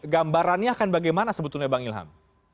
gambarannya akan bagaimana sebetulnya bang ilham